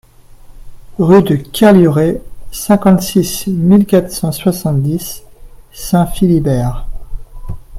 Rue de Kerlioret, cinquante-six mille quatre cent soixante-dix Saint-Philibert